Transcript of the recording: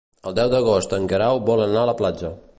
El deu d'agost en Guerau vol anar a la platja.